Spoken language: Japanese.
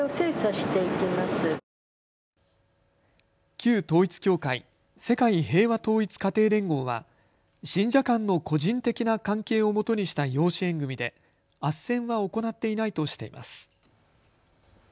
旧統一教会、世界平和統一家庭連合は信者間の個人的な関係をもとにした養子縁組みであっせんは行っていないとしています。